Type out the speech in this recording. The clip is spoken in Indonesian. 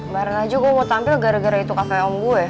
barang barang aja gue mau tampil gara gara itu cafe om gue